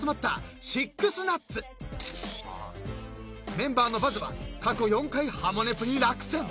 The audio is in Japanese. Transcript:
［メンバーのバズは過去４回『ハモネプ』に落選］